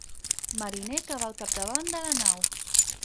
Mariner que va al capdavant de la nau.